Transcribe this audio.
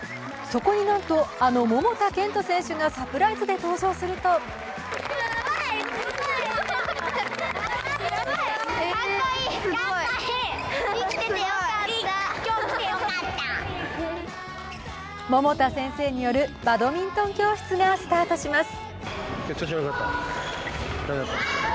そこになんと、あの桃田賢斗選手がサプライズで登場すると桃田先生によるバドミントン教室がスタートします。